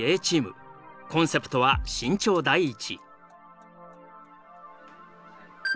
コンセプトは「慎重第一」。